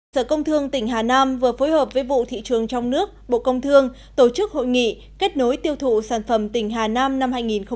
sở công thương tỉnh hà nam vừa phối hợp với vụ thị trường trong nước bộ công thương tổ chức hội nghị kết nối tiêu thụ sản phẩm tỉnh hà nam năm hai nghìn một mươi chín